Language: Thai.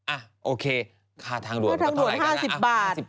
อ่ะโอเคค่าทางดวนมันก็เท่าไหร่